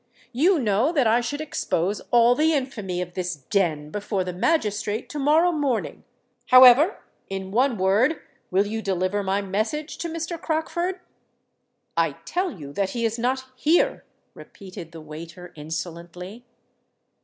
You know that I should expose all the infamy of this den before the magistrate to morrow morning. However—in one word, will you deliver my message to Mr. Crockford?" "I tell you that he is not here," repeated the waiter, insolently.